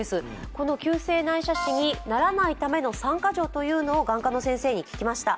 この急性内斜視にならないための３箇条を眼科の先生に聞きました。